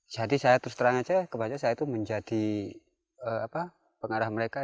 jadi saya terus terang saja kebanyakan saya itu menjadi pengarah mereka